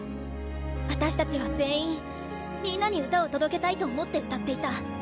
私たちは全員みんなに歌を届けたいと思って歌っていた。